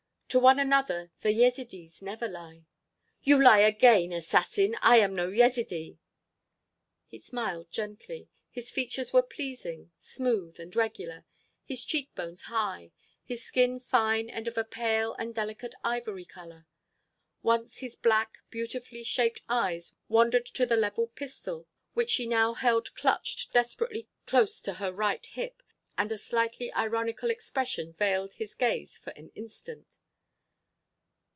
To one another the Yezidees never lie." "You lie again, assassin! I am no Yezidee!" He smiled gently. His features were pleasing, smooth, and regular; his cheek bones high, his skin fine and of a pale and delicate ivory colour. Once his black, beautifully shaped eyes wandered to the levelled pistol which she now held clutched desperately close to her right hip, and a slightly ironical expression veiled his gaze for an instant.